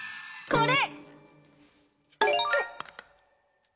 これ！